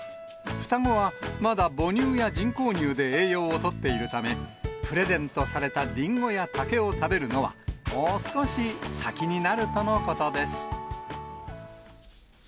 双子はまだ母乳や人工乳で栄養をとっているため、プレゼントされたリンゴや竹を食べるのは、もう少し先になるとのことです。